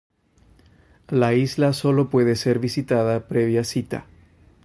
La isla sólo puede ser visitada previa cita.